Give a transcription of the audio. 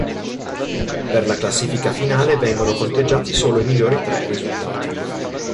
Per la classifica finale vengono conteggiati solo i migliori tre risultati.